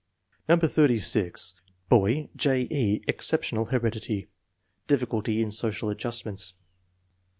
No, 86. Soy: J. E. Exceptional heredity. Diffi culty in social adjustments.